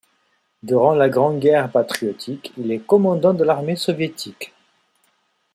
Durant la Grande Guerre patriotique, il est commandant de la armée soviétique.